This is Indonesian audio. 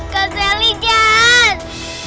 kak sally jahat